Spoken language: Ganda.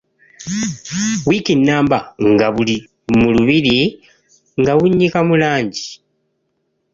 Wiiki nnamba nga buli mu lubiri nga bunnyika mu langi.